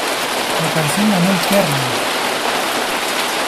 La canción ganó el Kerrang!